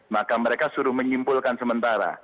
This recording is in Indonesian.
maka mereka suruh menyimpulkan sementara